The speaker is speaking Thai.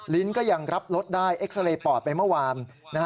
ลิ้นก็ยังรับรสได้เอ็กซาเรย์ปอดไปเมื่อวาน